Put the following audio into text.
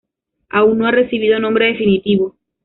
Aún no ha recibido nombre definitivo.